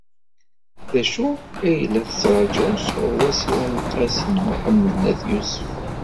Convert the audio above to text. D acu ay la tettṛajuḍ sɣur Wasila n Qasi Mḥemmed n At Yusef?